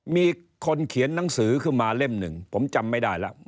มีคนเขียนหนังสือขึ้นมาเล่มหนึ่งผมจำไม่ได้แล้ว